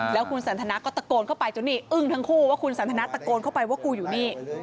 แล้วคุณสันทนาก็ตะโกนเข้าไปจนนี่อึ้งทั้งคู่ว่าคุณสันทนาตะโกนเข้าไปว่ากูอยู่นี่